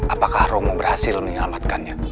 apakah romo berhasil menyelamatkannya